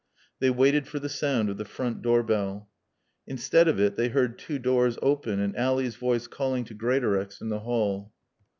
They waited for the sound of the front door bell. Instead of it they heard two doors open and Ally's voice calling to Greatorex in the hall.